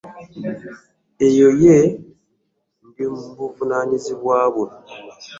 Oyo yye ndi buvunanyizibwa bwe .